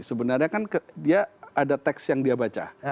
sebenarnya kan dia ada teks yang dia baca